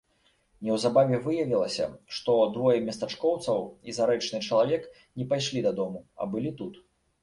Неўзабаве выявілася, што двое местачкоўцаў і зарэчны чалавек не пайшлі дадому, а былі тут.